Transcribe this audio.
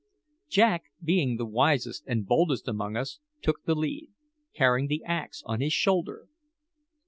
Jack, being the wisest and boldest among us, took the lead, carrying the axe on his shoulder.